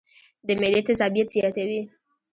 د معدې تېزابيت زياتوي